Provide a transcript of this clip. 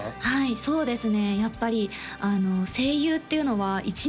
そうですね